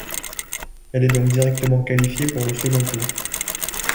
Elle est donc directement qualifiée pour le second tour.